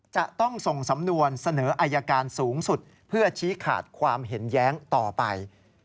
จะต้องส่งสำนวนเสนออายการสูงสุดเพื่อชี้ขาดความเห็นแย้งต่อไป